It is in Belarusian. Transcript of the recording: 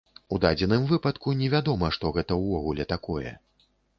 У дадзеным выпадку невядома, што гэта ўвогуле такое.